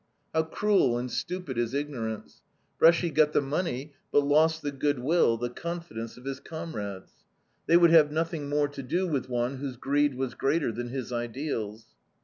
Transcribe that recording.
How cruel and stupid is ignorance. Bresci got the money, but lost the good will, the confidence of his comrades. They would have nothing more to do with one whose greed was greater than his ideals.